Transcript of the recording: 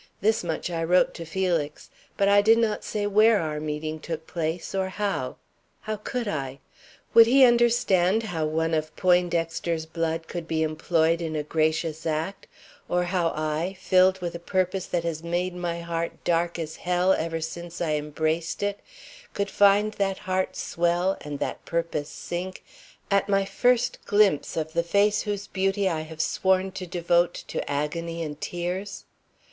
This much I wrote to Felix, but I did not say where our meeting took place or how. How could I? Would he understand how one of Poindexter's blood could be employed in a gracious act, or how I, filled with a purpose that has made my heart dark as hell ever since I embraced it, could find that heart swell and that purpose sink at my first glimpse of the face whose beauty I have sworn to devote to agony and tears?